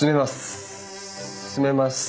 住めます。